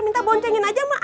minta boncengin aja mak